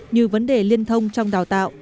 như vấn đề liên thông trong đào tạo